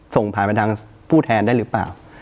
ส่งผ่านไปทางผู้แทนได้หรือเปล่า